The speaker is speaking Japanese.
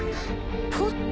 ポット？